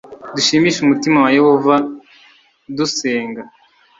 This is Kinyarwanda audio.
Dushimishe umutima wa Yehova dusenga